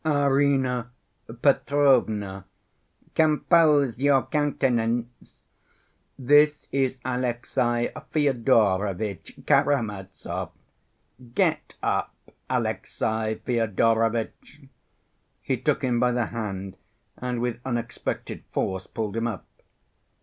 Arina Petrovna, compose your countenance. This is Alexey Fyodorovitch Karamazov. Get up, Alexey Fyodorovitch." He took him by the hand and with unexpected force pulled him up.